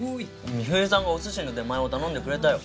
美冬さんがお寿司の出前を頼んでくれたよ。